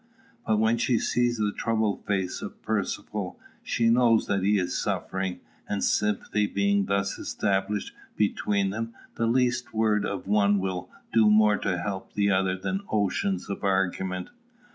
But when she sees the troubled face of Percivale, she knows that he is suffering; and sympathy being thus established between them, the least word of the one will do more to help the other than oceans of argument.